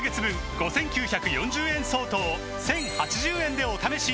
５，９４０円相当を１，０８０円でお試しいただけます